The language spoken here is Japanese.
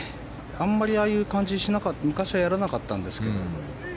あんまりああいう感じに昔はやらなかったんですけど。